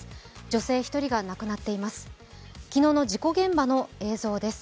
女性１人が亡くなっています。